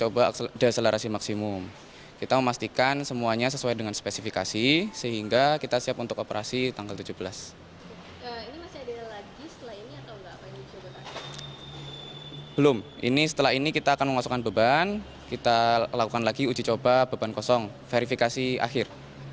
belum ini setelah ini kita akan memasukkan beban kita lakukan lagi uji coba beban kosong verifikasi akhir